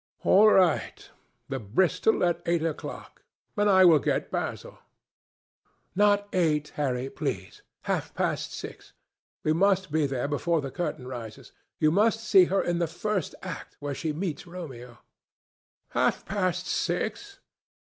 "All right. The Bristol at eight o'clock; and I will get Basil." "Not eight, Harry, please. Half past six. We must be there before the curtain rises. You must see her in the first act, where she meets Romeo." "Half past six!